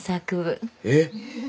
えっ。